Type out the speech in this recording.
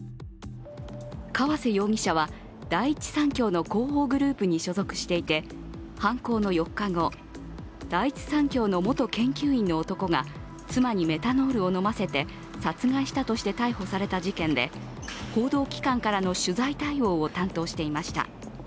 川瀬容疑者は第一三共の広報グループに所属していて犯行の４日後、第一三共の元研究員の男が妻にメタノールを飲ませて殺害したとして逮捕された事件で報道機関からの取材対応を担当していました。